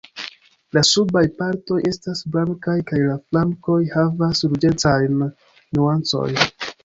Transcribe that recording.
La subaj partoj estas blankaj kaj la flankoj havas ruĝecajn nuancojn.